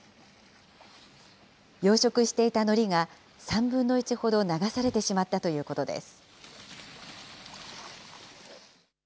養殖していたのりが３分の１ほど流されてしまったということです。